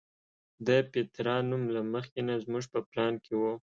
د پیترا نوم له مخکې نه زموږ په پلان کې و.